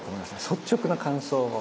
率直な感想を。